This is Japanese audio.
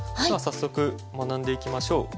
早速学んでいきましょう。